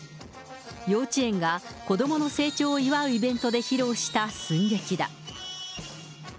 幼稚園が子どもの成長を祝うイベントで披露した寸劇だ。